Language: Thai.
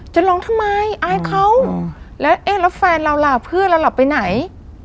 จะร้องทำไมอายเขาแล้วเอ๊ะแล้วแฟนเราล่ะเพื่อนเราหลับไปไหน